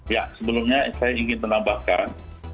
ya sebelumnya saya ingin menambahkan